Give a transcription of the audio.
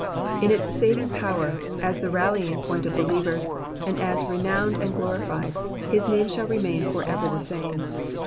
'*'* In its saving power, as the rallying point of believers, and as renowned and glorified, his name shall remain for ever the same.